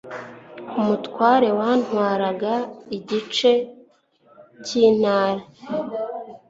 umutware watwaraga igice cy'ntara